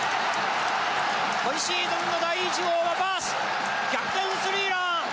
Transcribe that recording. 今シーズンの第１号はバース逆転スリーラン！